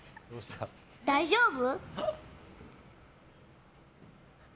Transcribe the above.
大丈夫？